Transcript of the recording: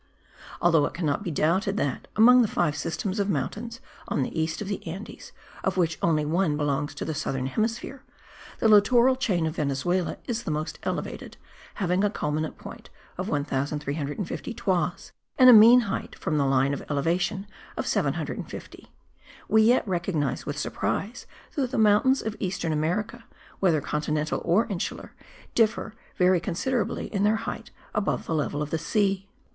Although it cannot be doubted that, among the five systems of mountains on the east of the Andes, of which one only belongs to the southern hemisphere, the littoral chain of Venezuela is the most elevated (having a culminant point of 1350 toises, and a mean height from the line of elevation of 750), we yet recognise with surprise that the mountains of eastern America (whether continental or insular) differ very inconsiderably in their height above the level of the sea.